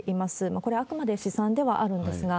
これ、あくまで試算ではあるんですが。